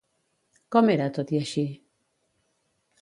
Com era, tot i així?